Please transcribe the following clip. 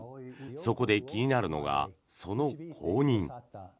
そこで気になるのがその後任。